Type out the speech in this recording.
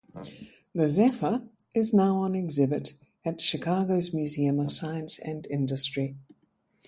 The "Zephyr" is now on exhibit at Chicago's Museum of Science and Industry.